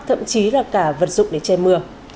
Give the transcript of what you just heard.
thậm chí là cả vật dụng để che mưa